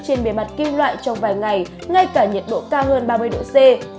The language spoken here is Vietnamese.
trên bề mặt kim loại trong vài ngày ngay cả nhiệt độ cao hơn ba mươi độ c